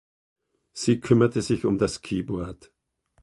Sie kümmerte sich um das Keyboard.